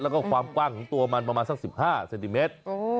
แล้วก็ความกว้างของตัวมันประมาณสัก๑๕เซนติเมตร